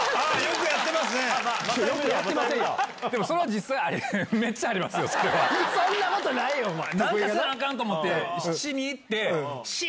そんなことないよ！